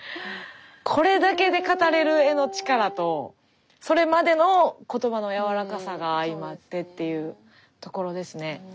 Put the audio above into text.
これだけで語れる絵の力とそれまでの言葉のやわらかさが相まってっていうところですね。